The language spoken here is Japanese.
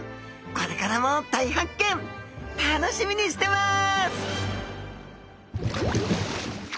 これからも大発見楽しみにしてます！